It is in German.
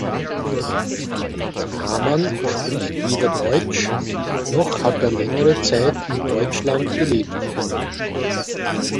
Kaman spricht weder Deutsch, noch hat er längere Zeit in Deutschland gelebt.